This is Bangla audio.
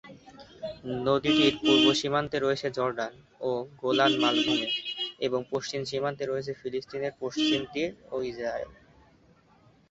নদীটির পূর্ব সীমান্তে রয়েছে জর্ডান ও গোলান মালভূমি এবং পশ্চিম সীমান্তে রয়েছে ফিলিস্তিনের পশ্চিম তীর ও ইসরায়েল।